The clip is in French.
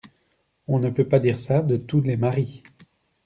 On ne peut pas dire ça de tous les maris.